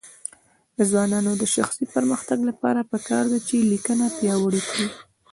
د ځوانانو د شخصي پرمختګ لپاره پکار ده چې لیکنه پیاوړې کړي.